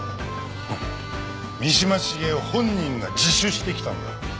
フン三島茂夫本人が自首してきたんだ。